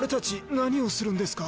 何をするんですか？